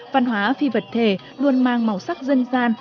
văn hóa phi vật thể luôn mang màu sắc dân gian